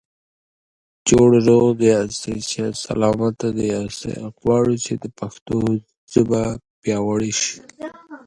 د غوړو خوړو څخه ډډه وکړئ.